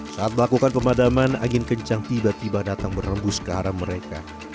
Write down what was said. saat melakukan pemadaman angin kencang tiba tiba datang berembus ke arah mereka